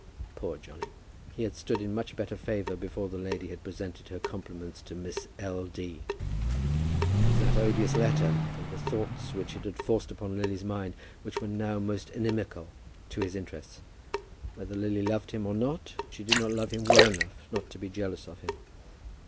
Poor Johnny. He had stood in much better favour before the lady had presented her compliments to Miss L. D. It was that odious letter, and the thoughts which it had forced upon Lily's mind, which were now most inimical to his interests. Whether Lily loved him or not, she did not love him well enough not to be jealous of him.